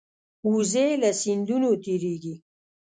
وزې له سیندونو تېرېږي